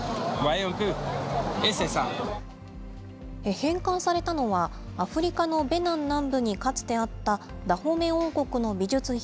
返還されたのは、アフリカのベナン南部にかつてあった、ダホメ王国の美術品